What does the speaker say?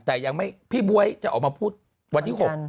แต่ยังไม่พี่บ๊วยจะออกมาพูดวันที่๖